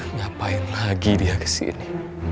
ngapain lagi dia kesini